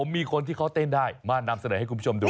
มีคนที่เขาเต้นได้มานำเสนอให้คุณผู้ชมดู